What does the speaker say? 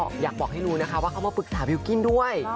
ก็อยากบอกให้รู้นะคะว่าเขามาปรึกษาบิลกิ้นด้วย